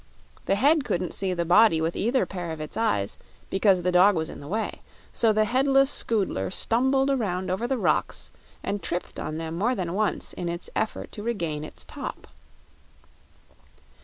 The head couldn't see the body with either pair of its eyes, because the dog was in the way, so the headless Scoodler stumbled around over the rocks and tripped on them more than once in its effort to regain its top.